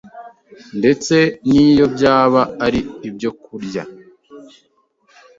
ndetse n’iyo byaba ari ibyokury